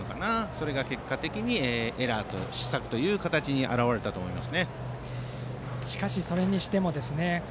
それが結果的に失策という形に表れたと思います。